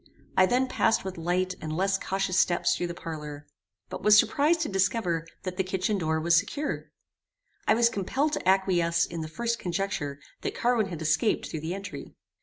I then passed with light and less cautious steps through the parlour, but was surprized to discover that the kitchen door was secure. I was compelled to acquiesce in the first conjecture that Carwin had escaped through the entry.